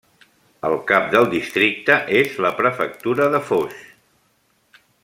El cap del districte és la prefectura de Foix.